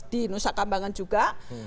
di nusa kambangan juga